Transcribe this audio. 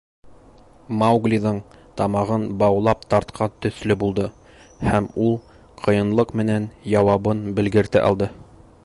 Мауглиҙың тамағын баулап тартҡан төҫлө булды һәм ул ҡыйынлыҡ менән яуабын белгертә алды.